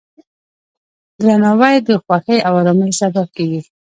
درناوی د خوښۍ او ارامۍ سبب کېږي.